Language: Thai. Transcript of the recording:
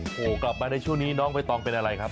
โหกลับมาในช่วงนี้น้องใบตองเป็นอะไรครับ